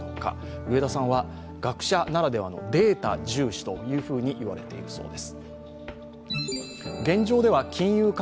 植田さんは学者ならではのデータ重視と言われているそうです。